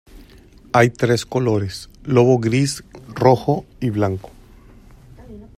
Hay tres colores: lobo-gris, rojo y blanco.